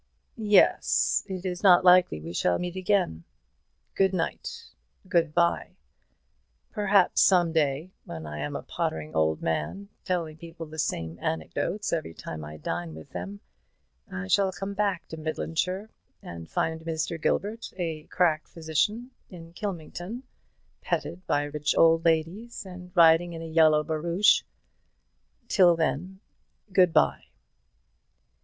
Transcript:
"Yes, it is not likely we shall meet again. Good night good bye. Perhaps some day, when I am a pottering old man, telling people the same anecdotes every time I dine with them, I shall come back to Midlandshire, and find Mr. Gilbert a crack physician in Kylmington, petted by rich old ladies, and riding in a yellow barouche; till then, good bye."